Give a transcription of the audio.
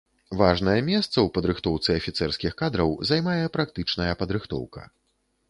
Важнае месца ў падрыхтоўцы афіцэрскіх кадраў займае практычная падрыхтоўка.